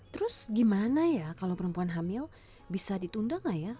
terus gimana ya kalau perempuan hamil bisa ditunda gak ya